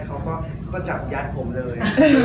เขาก็จับยัดผมเลย